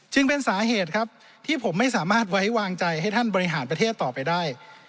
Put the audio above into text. จึงเป็นสาเหตุครับที่ผมไม่สามารถไว้วางใจให้ท่านบริหารประเทศต่อไปได้